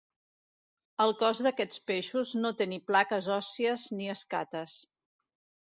El cos d'aquests peixos no té ni plaques òssies ni escates.